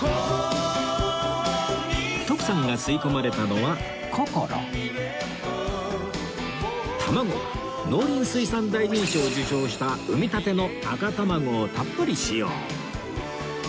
徳さんが吸い込まれたのは ｃｏｃｏｒｏ卵は農林水産大臣賞を受賞した産みたての赤卵をたっぷり使用